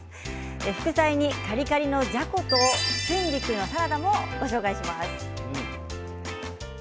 副菜にカリカリのじゃこと春菊のサラダも、ご紹介します。